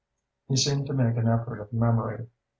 He seemed to make an effort of memory.